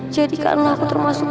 jadikan aku termasukmu